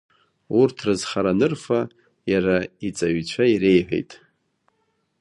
Урҭ рызхара анырфа, Иара иҵаҩцәа иреиҳәеит…